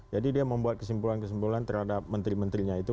jadi dia membuat kesimpulan kesimpulan terhadap menteri menterinya itu